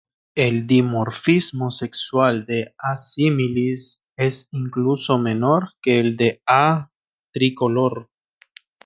El dimorfismo sexual de "assimilis" es incluso menor que el de "A. tricolor".